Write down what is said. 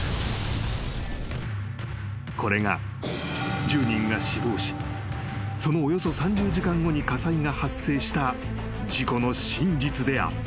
［これが１０人が死亡しそのおよそ３０時間後に火災が発生した事故の真実であった］